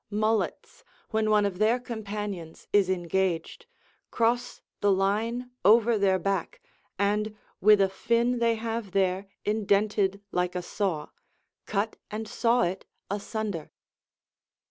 Mullets, when one of their companions is engaged, cross the line over their back, and, with a fin they have there, indented like a saw, cut and saw it asunder.